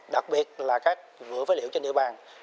đặc biệt là các vừa phái liệu trên địa bàn